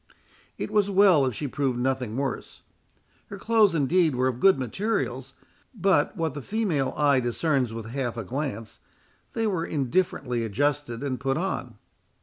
It was well if she proved nothing worse. Her clothes, indeed, were of good materials; but, what the female eye discerns with half a glance, they were indifferently adjusted and put on.